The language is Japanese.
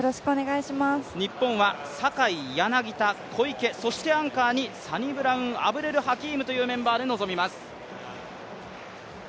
日本は坂井、柳田、小池、そしてアンカーにサニブラウン・アブデル・ハキームというメンバーで臨みます。